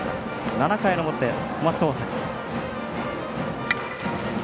７回の表、小松大谷。